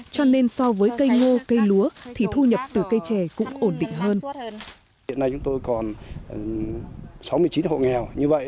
cho nên so với cây ngô cây lúa thì thu nhập từ cây chè cũng ổn định hơn